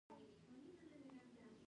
له دې بې لارۍ نه يې وساتي.